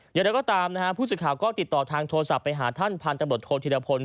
อย่างเดียวก็ตามนะฮะผู้สิทธิ์ข่าวก็ติดต่อทางโทรศัพท์ไปหาท่านผ่านตำรวจโทรธิรภล